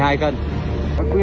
con này cân đường đấy